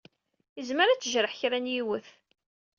Izmer ad d-tejreḥ kra n yiwet.